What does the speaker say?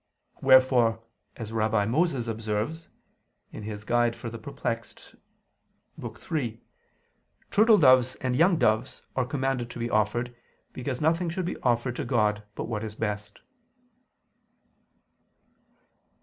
Wherefore, as Rabbi Moses observes (Doct. Perplex. iii), turtledoves and young doves are commanded to be offered, because nothing should be offered to God but what is best.